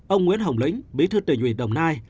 ông nguyễn hồng lĩnh bí thư tỉnh ủy đồng nai